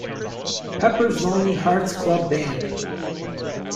Pepper's Lonely Hearts Club Band'.